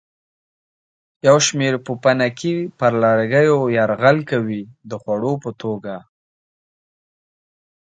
یو شمېر پوپنکي پر لرګیو یرغل کوي د خوړو په توګه.